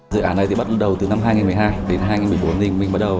dự án này bắt đầu từ năm hai nghìn một mươi hai đến hai nghìn một mươi bốn